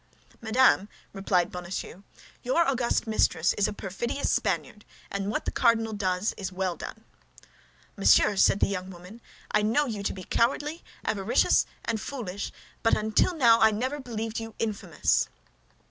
"Madame," replied Bonacieux, "your august mistress is a perfidious Spaniard, and what the cardinal does is well done." "Monsieur," said the young woman, "I know you to be cowardly, avaricious, and foolish, but I never till now believed you infamous!"